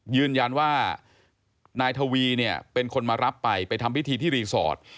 ยืนยันว่านายทวีเนี่ยเป็นคนมารับไปไปทำพิธีที่รีสอร์ท